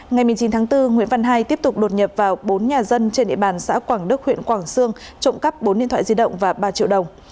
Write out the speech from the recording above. ngày một mươi chín tháng bốn nguyễn văn hai tiếp tục đột nhập vào bốn nhà dân trên địa bàn xã quảng đức huyện quảng sương trộm cắp bốn điện thoại di động và ba triệu đồng